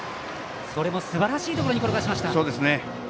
それもすばらしいところに転がしました。